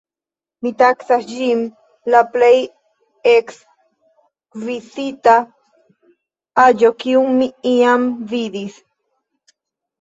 Mi taksas ĝin la plej ekskvizita aĵo kiun mi iam vidis.